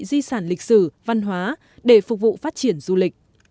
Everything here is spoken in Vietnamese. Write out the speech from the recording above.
di sản lịch sử văn hóa để phục vụ phát triển du lịch